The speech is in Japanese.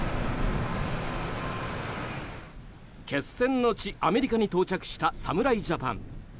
決戦の地アメリカに到着した侍ジャパン。